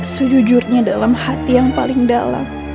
sejujurnya dalam hati yang paling dalam